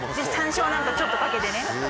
山椒なんかちょっとかけてね。